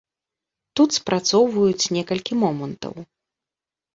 Тут спрацоўваюць некалькі момантаў.